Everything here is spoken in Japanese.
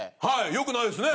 良くないですね！